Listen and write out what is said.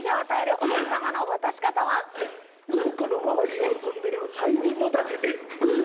ウンコの周りを飛んでるハエに持たせてブン！